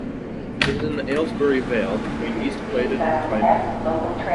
It is in the Aylesbury Vale, between East Claydon and Quainton.